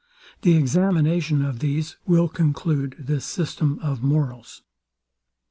The examination of these will conclude this system of morals.